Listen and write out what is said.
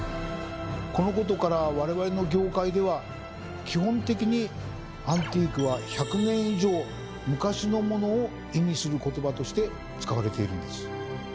このことから我々の業界では基本的に「アンティーク」は「１００年以上昔のモノ」を意味する言葉として使われているんです。